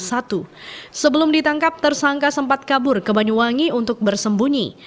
sebelum ditangkap tersangka sempat kabur ke banyuwangi untuk bersembunyi